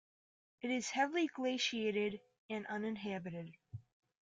It is heavily glaciated and uninhabited.